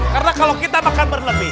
karena kalau kita makan berlebihan